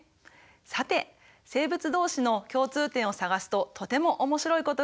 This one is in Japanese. さて生物同士の共通点を探すととても面白いことが見えてきます。